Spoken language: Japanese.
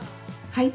はい？